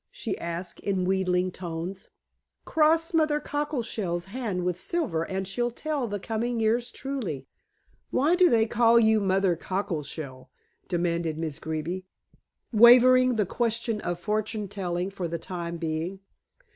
she asked in wheedling tones. "Cross Mother Cockleshell's hand with silver and she'll tell the coming years truly." "Why do they call you Mother Cockleshell?" demanded Miss Greeby, waiving the question of fortune telling for the time being.